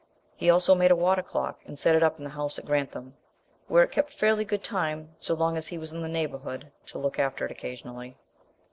He also made a water clock and set it up in the house at Grantham, where it kept fairly good time so long as he was in the neighbourhood to look after it occasionally.